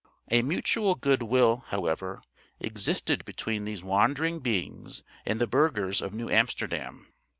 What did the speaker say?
A mutual good will, however, existed between these wandering beings and the burghers of New Amsterdam.